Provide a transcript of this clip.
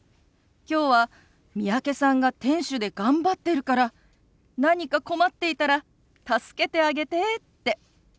「きょうは三宅さんが店主で頑張ってるから何か困っていたら助けてあげて」って。